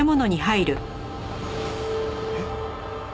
えっ？